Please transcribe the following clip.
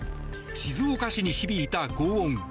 静岡市に響いたごう音。